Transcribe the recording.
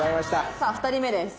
さあ２人目です。